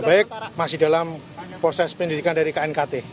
baik masih dalam proses pendidikan dari knkt